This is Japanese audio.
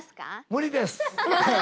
無理です。